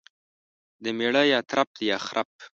دميړه يا ترپ دى يا خرپ.